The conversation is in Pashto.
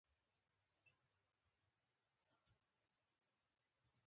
سپین غر په ختیځ کې موقعیت لري